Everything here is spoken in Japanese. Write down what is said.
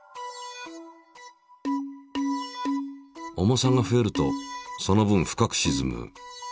重さが増えるとその分深くしずむ。